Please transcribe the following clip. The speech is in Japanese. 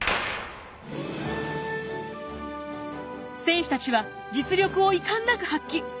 選手たちは実力を遺憾なく発揮。